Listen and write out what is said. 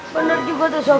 bener juga tuh sob